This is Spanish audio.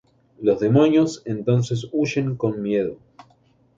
Los demonios entonces huyen con miedo.